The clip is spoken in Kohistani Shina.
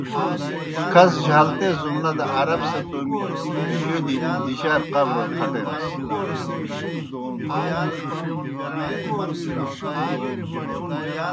کَھس جہالت اےْ زُمنہ دہ عرب سہ تومیْ جودہ دِجارہ قبروڑ کھٹینَس۔